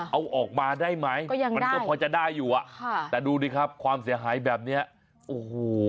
เอาออกมาได้ไหมมันก็พอจะได้อยู่อ่ะค่ะแต่ดูดิครับความเสียหายแบบเนี้ยโอ้โห